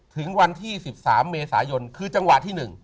ถึงวันที่๑๓เมษายนคือจังหวะที่๑